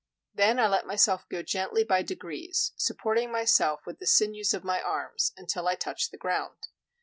Then I let myself go gently by degrees, supporting myself with the sinews of my arms, until I touched the ground.